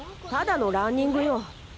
ただのランニングよ。